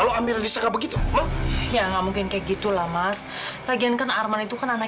sampai jumpa di video selanjutnya